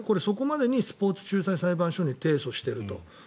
そこまでにスポーツ仲裁裁判所に提訴していると。